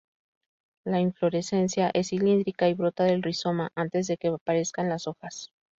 La inflorescencia es cilíndrica y brota del rizoma antes de que aparezcan las hojas.